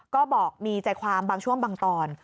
ก็บอกมีใจความบางช่วงบางตอน